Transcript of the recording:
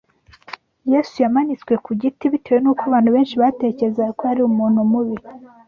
Yesu yamanitswe ku giti bitewe n’uko abantu benshi batekerezaga ko yari umuntu mubi